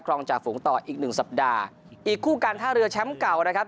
รองจากฝูงต่ออีกหนึ่งสัปดาห์อีกคู่การท่าเรือแชมป์เก่านะครับ